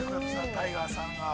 タイガーさんが。